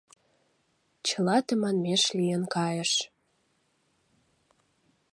Чыла тыманмеш лийын кайыш.